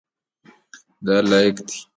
دا لاییک ده.